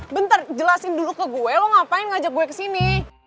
bentar jelasin dulu ke gue lo ngapain ngajak gue kesini